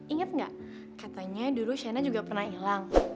ingat gak katanya dulu sena juga pernah hilang